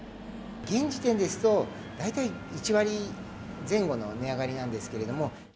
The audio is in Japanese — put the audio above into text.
現時点ですと、大体１割前後の値上がりなんですけれども。